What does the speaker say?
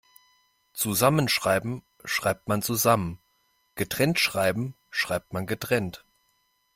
Zusammenschreiben schreibt man zusammen, getrennt schreiben schreibt man getrennt.